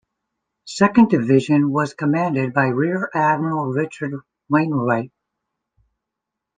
Second Division was commanded by Rear Admiral Richard Wainwright.